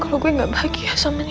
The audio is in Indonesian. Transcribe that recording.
kalau gue gak bahagia sama nino